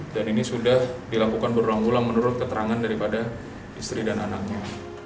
dan ini sudah dilakukan berulang ulang menurut keterangan daripada istri dan anaknya